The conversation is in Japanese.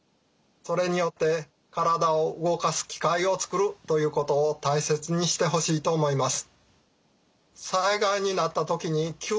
それによって体を動かす機会を作るということを大切にしてほしいと思います。